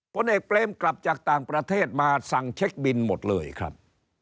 ผลเอกเปรมกลับจากต่างประเทศมาสั่งเช็คบินหมดเลยครับ